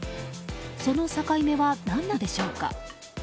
そのサカイ目は何なのでしょうか？